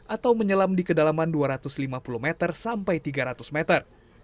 atau menyelam di kedalaman dua ratus lima puluh meter sampai tiga ratus meter